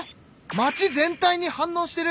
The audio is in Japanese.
町全体に反応してる！